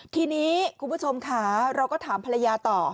ทีนี้คุณผู้ชมค่ะเราก็ถามภรรยาต่อ